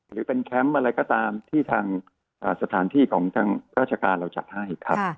หรือเป็นแคมป์อะไรก็ตามที่ทางสถานที่ของทางราชการเราจัดให้ครับ